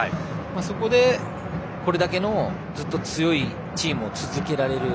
そこでこれだけのずっと強いチームを続けられる。